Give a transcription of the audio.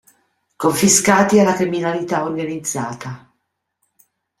Confiscati alla criminalità organizzata.